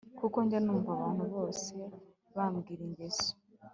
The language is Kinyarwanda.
Kuko njya numva abantu bose bambwira ingeso